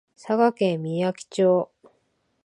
佐賀県みやき町